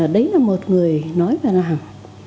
đấy là một người nói và làm